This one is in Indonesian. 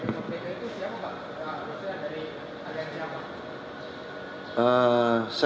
dari alian jamaah